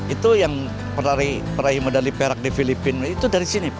itu yang peraih medali perak di filipina itu dari sini pak